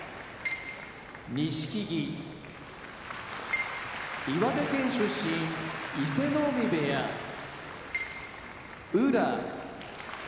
錦木岩手県出身伊勢ノ海部屋宇良